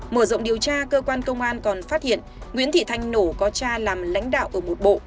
mở rộng điều tra cơ quan công an còn phát hiện nguyễn thị thanh nổ có cha làm lãnh đạo ở một bộ